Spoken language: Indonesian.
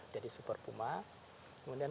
jadi super puma kemudian